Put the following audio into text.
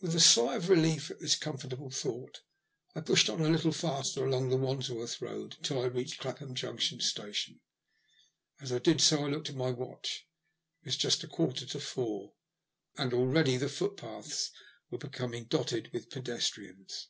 With a sigh of relief at this comfort able thoaghty I pushed on a little faster along the Wandsworth Road until I reached Clapham Junction Station. As I did so I looked at my watch. It was just a quarter to four, and already the footpaths were becoming dotted with pedestrians.